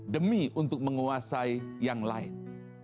demi untuk menguasai yang lain